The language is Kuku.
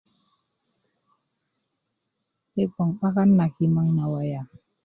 yi bgoŋ 'baka na kimaŋ na waya